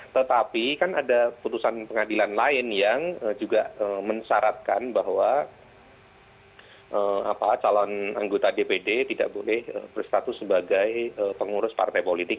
tetapi kan ada putusan pengadilan lain yang juga mensyaratkan bahwa calon anggota dpd tidak boleh berstatus sebagai pengurus partai politik